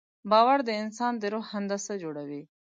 باور د انسان د روح هندسه جوړوي.